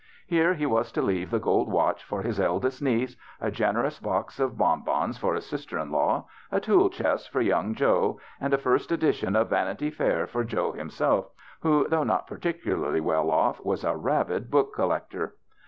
Here he was to leave the gold watch for his eldest niece, a generous box of bonbons for his sis ter in law, a tool chest for young Joe, and a first edition of " Vanity Fair " for Joe him self, who, though not particularly well off, was a rabid book collector.